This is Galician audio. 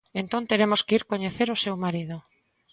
Entón teremos que ir coñecer o seu marido.